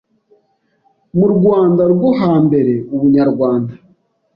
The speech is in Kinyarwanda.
Mu Rwanda rwo hambere ubunyarwanda